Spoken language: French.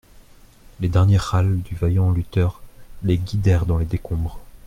Les derniers râles du vaillant lutteur les guidèrent dans les décombres.